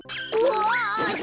うわ！